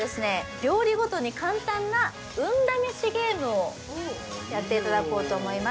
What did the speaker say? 料理ごとに簡単な運試しゲームをやっていただこうと思います